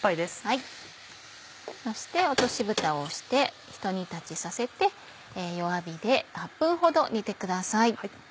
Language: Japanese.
そして落としぶたをしてひと煮立ちさせて弱火で８分ほど煮てください。